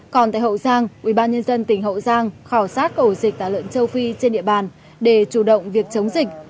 còn tại hậu giang ubnd tỉnh hậu giang khảo sát ổ dịch tả lợn châu phi trên địa bàn để chủ động việc chống dịch